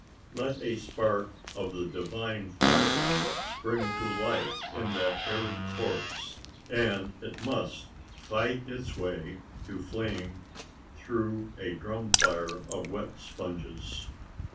Let a spark of the divine fire spring to life in that arid corpse, and it must fight its way to flame through a drum fire of wet sponges.